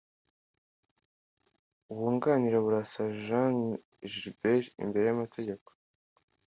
wunganira Burasa jean Gaulbert imbere y’amategeko